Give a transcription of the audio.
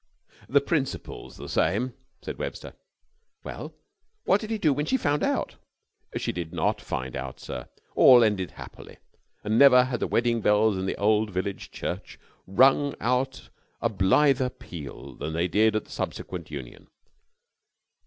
"The principle's the same," said Webster. "Well what did he do when she found out?" "She did not find out, sir. All ended happily, and never had the wedding bells in the old village church rung out a blither peal than they did at the subsequent union."